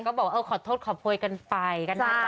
แต่ก็บอกขอโทษขอโพยกันไป